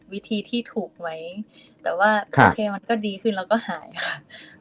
วิธีที่ถูกไว้แต่ว่าโอเคมันก็ดีขึ้นแล้วก็หายค่ะ